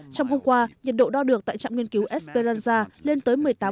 trong hôm qua nhiệt độ đo được tại trạm nghiên cứu esperanza lên tới một mươi tám ba